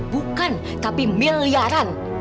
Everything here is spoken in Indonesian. bukan tapi miliaran